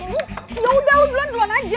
ras lu yaudah lo duluan duluan aja